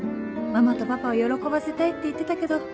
ママとパパを喜ばせたいって言ってたけど。